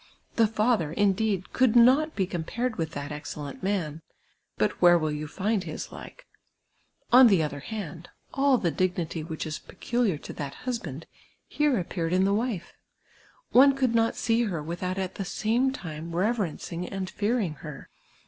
The father, indeed, could not be com])ared with that excellent man ; but where will you find his like ? On the other hand, all the dii? nity which is peculiar to that husband, here appeared in the wife. One could not see her without at the same time rcyer cncing and fearini^ her.